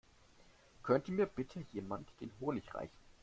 Könnte mir bitte jemand den Honig reichen?